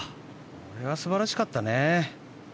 あれは素晴らしかったね。